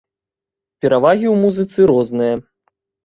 Перавагі ў музыцы розныя.